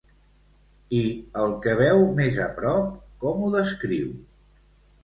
I el que veu més a prop, com ho descriu?